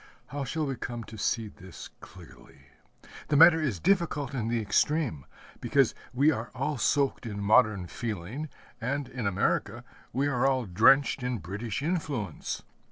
How shall we come to see this clearly? The matter is difficult in the extreme; because we are all soaked in modern feeling, and in America we are all drenched in British influence.